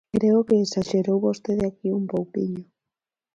Creo que exaxerou vostede aquí un pouquiño.